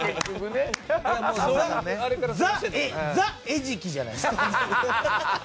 餌じゃないですか。